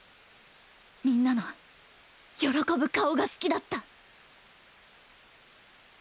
皆の喜ぶ顔が好きだった